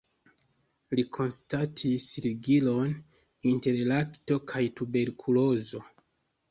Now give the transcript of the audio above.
Li konstatis ligilon inter lakto kaj tuberkulozo.